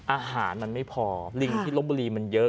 อาหารมันไม่พอลิงที่ลบบุรีมันเยอะ